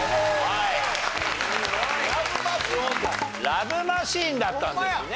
『ＬＯＶＥマシーン』だったんですね。